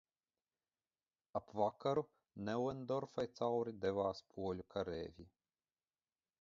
Ap vakaru Neuendorfai cauri devās poļu kareivji.